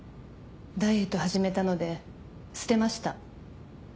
ダイエット始めたので捨てました。